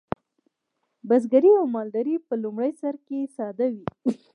بزګري او مالداري په لومړي سر کې ساده وې.